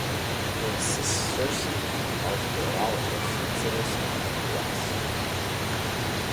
The Cistercian/ martyrologist considers him blessed.